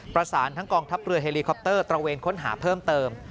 ประสานทั้งกองทัพเรือเฮลีคอปเตอร์ตระเวนค้นหาเพิ่มเติม